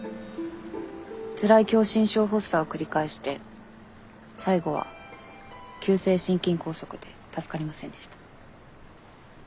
つらい狭心症発作を繰り返して最期は急性心筋梗塞で助かりませんでした。